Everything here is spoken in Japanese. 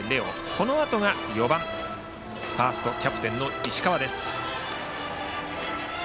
このあとが４番ファーストキャプテンの石川です。